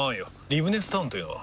リブネスタウンというのは？